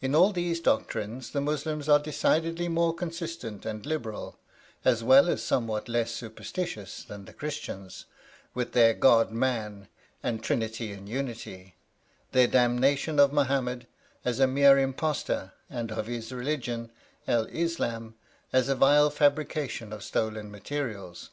In all these doctrines the Muslims are decidedly more consistent and liberal, as well as somewhat less superstitious than the Christians, with their God man and trinity in unity, their damnation of Mohammed as a mere impostor and of his religion, El Islam, as a vile fabrication of stolen materials.